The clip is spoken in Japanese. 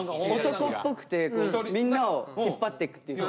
男っぽくてみんなを引っ張ってくっていうか。